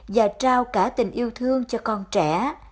và trao cả tình yêu thương cho con trẻ